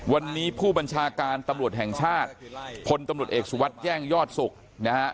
วันนี้ผู้บัญชาการตำรวจแห่งชาติพลตำรวจเอกสุวัสดิ์แจ้งยอดศุกร์นะฮะ